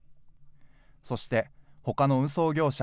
そしてほかの運送業者